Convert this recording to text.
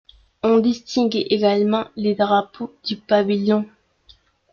On distingue également le drapeau du pavillon.